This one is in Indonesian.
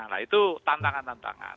nah itu tantangan tantangan